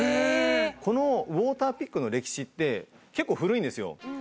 このウォーターピックの歴史って結構古いんですよ。